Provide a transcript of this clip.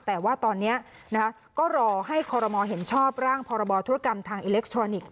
แต่ว่าตอนนี้ก็รอให้คอรมอลเห็นชอบร่างพรบธุรกรรมทางอิเล็กทรอนิกส